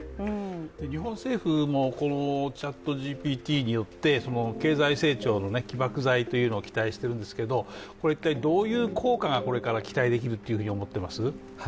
日本政府もＣｈａｔＧＰＴによって経済成長の起爆剤というのを期待してるんですけど、これは一体どういう効果がこれから期待できるって思ってます？